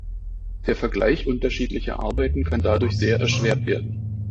Der Vergleich unterschiedlicher Arbeiten kann dadurch sehr erschwert werden.